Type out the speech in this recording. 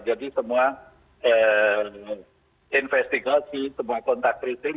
jadi semua investigasi semua contact tracing